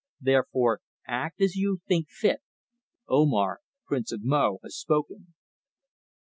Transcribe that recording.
Therefore act as you think fit. Omar, Prince of Mo, has spoken."